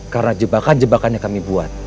karena jebakan jebakan yang kami buat